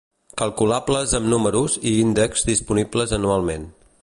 Calculables amb números i índexs disponibles anualment.